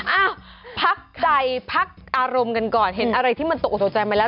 อ่ะพักใจพักอารมณ์กันก่อนเห็นอะไรที่มันตกออกตกใจมาแล้ว